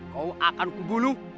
kau akan kugunuh